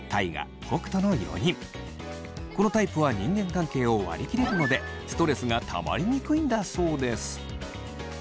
このタイプは人間関係を割り切れるのでストレスがたまりにくいんだそうです。